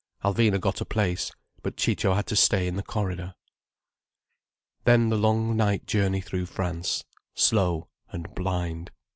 Alvina got a place—but Ciccio had to stay in the corridor. Then the long night journey through France, slow and blind.